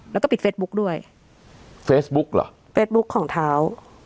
แล้วก็ปิดเฟซบุ๊กด้วยเฟซบุ๊กเหรอเฟสบุ๊คของเท้า